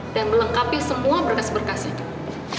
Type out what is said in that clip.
dan melengkapi semua berkas berkasnya